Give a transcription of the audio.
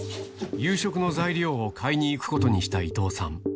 夕食の材料を買いにいくことにした伊藤さん。